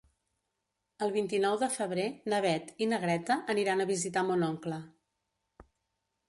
El vint-i-nou de febrer na Beth i na Greta aniran a visitar mon oncle.